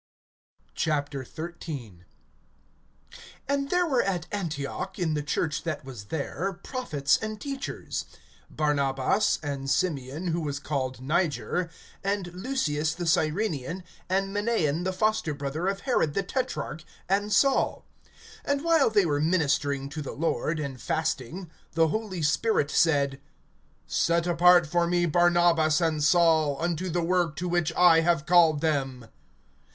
XIII. AND there were at Antioch, in the church that was there, prophets and teachers; Barnabas, and Simeon who was called Niger, and Lucius the Cyrenean, and Manaen the foster brother of Herod the tetrarch, and Saul. (2)And while they were ministering to the Lord, and fasting, the Holy Spirit said: Set apart for me Barnabas and Saul, unto the work to which I have called them.